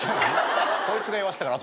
こいつが言わしたから。